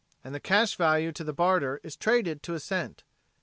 And the cash value to the barter is traded to a cent.